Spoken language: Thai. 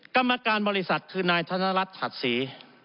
กรรมการบริษัทคือนายธนรัฐถัดศรี